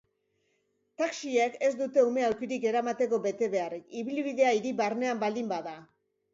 Taxiek ez dute ume-aulkirik eramateko betebeharrik, ibilbidea hiri barnean baldin bada.